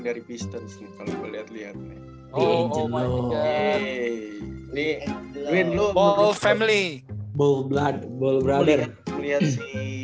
dari pistons kalau lihat lihat oh my god ini bumbu family bulat bolbrother lihat si